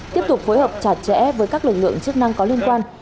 tiếp tục phối hợp chặt chẽ với các lực lượng chức năng có liên quan